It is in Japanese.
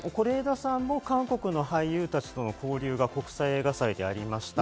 是枝さんも韓国の俳優たちとの交流が国際映画祭でありました。